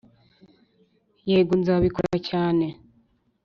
yego nzabikora cyane